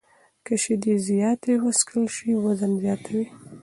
که شیدې زیاتې وڅښل شي، وزن زیاتوي.